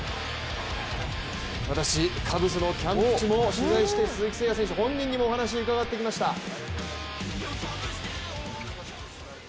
私、カブスのキャンプ地も取材して鈴木誠也選手本人にもお話を伺ってきました。